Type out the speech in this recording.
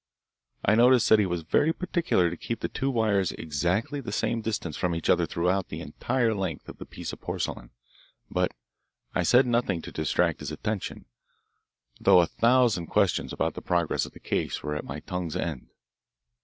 I noticed that he was very particular to keep the two wires exactly the same distance from each other throughout the entire length of the piece of porcelain, but I said nothing to distract his attention, though a thousand questions about the progress of the case were at my tongue's end.